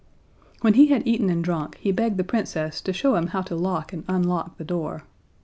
When he had eaten and drunk, he begged the Princess to show him how to lock and unlock the door.